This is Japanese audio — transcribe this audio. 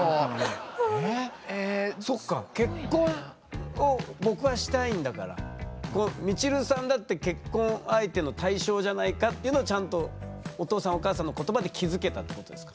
そっか「結婚を僕はしたいんだからみちるさんだって結婚相手の対象じゃないか」っていうのはちゃんとお父さんお母さんの言葉で気付けたってことですか？